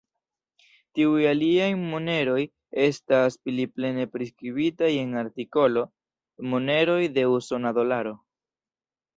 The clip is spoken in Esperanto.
Tiuj aliaj moneroj estas pli plene priskribitaj en artikolo Moneroj de usona dolaro.